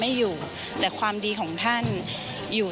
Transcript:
ที่มีโอกาสได้ไปชม